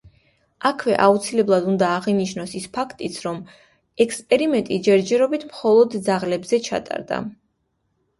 აქვე აუცილებლად უნდა აღინიშნოს ის ფაქტიც, რომ ექსპერიმენტი ჯერჯერობით მხოლოდ ძაღლებზე ჩატარდა.